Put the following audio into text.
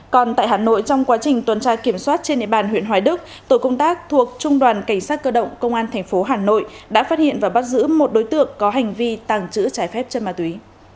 còn tại hà nội trong quá trình tuần tra kiểm soát trên địa bàn huyện hoài đức tổ công tác thuộc trung đoàn cảnh sát cơ động công an tp hà nội đã phát hiện và bắt giữ một đối tượng có hành vi tàng trữ trái phép chất ma túy